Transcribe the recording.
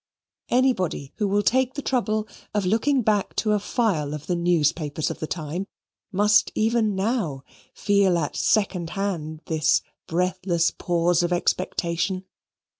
Anybody who will take the trouble of looking back to a file of the newspapers of the time, must, even now, feel at second hand this breathless pause of expectation.